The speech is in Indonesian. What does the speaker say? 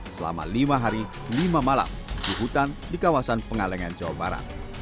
selama lima hari lima malam di hutan di kawasan pengalengan jawa barat